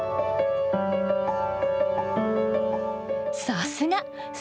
さすが！